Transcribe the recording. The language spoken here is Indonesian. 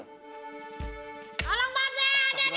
tolong babe ada ada ada ada ada babe